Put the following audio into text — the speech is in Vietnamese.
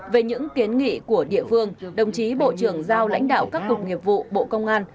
về những kiến nghị của địa phương đồng chí bộ trưởng giao lãnh đạo các cục nghiệp vụ bộ công an